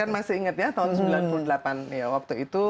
saya masih ingat ya tahun seribu sembilan ratus sembilan puluh delapan waktu itu